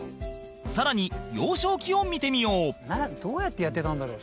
更に、幼少期を見てみよう柴田：どうやってやってたんだろう？